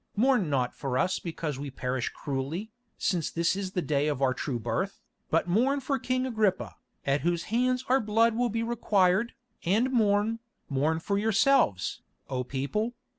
Mourn not for us because we perish cruelly, since this is the day of our true birth, but mourn for King Agrippa, at whose hands our blood will be required, and mourn, mourn for yourselves, O people.